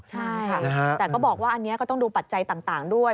ใช่แต่ก็บอกว่าอันนี้ก็ต้องดูปัจจัยต่างด้วย